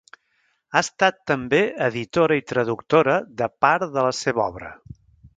Ha estat també editora i traductora de part de la seva obra.